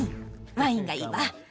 ワインがいいわ・